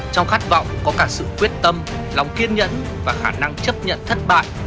trong khát vọng có cả sự quyết tâm lòng kiên nhẫn và khả năng chấp nhận thất bại